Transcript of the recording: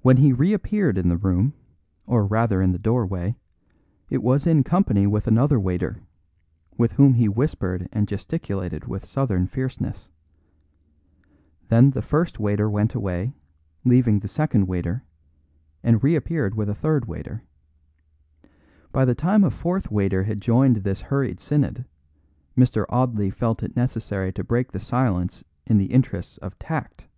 When he reappeared in the room, or rather in the doorway, it was in company with another waiter, with whom he whispered and gesticulated with southern fierceness. Then the first waiter went away, leaving the second waiter, and reappeared with a third waiter. By the time a fourth waiter had joined this hurried synod, Mr. Audley felt it necessary to break the silence in the interests of Tact.